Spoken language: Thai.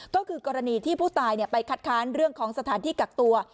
ก็คือกรณีที่ผู้ตายไปคัดค้านเรื่องของสถานที่กักตัว